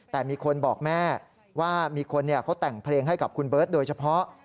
แต่มีคนบอกแม่ว่ามีคนเขาแต่งเพลงให้กับคุณเบิร์ตโดยเฉพาะ